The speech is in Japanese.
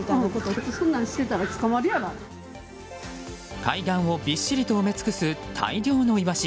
海岸をびっしりと埋め尽くす大量のイワシ。